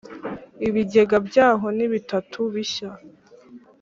Ibigega byaho ni bitatu bishya,